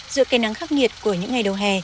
giữa cây nắng khắc nghiệt của những ngày đầu hè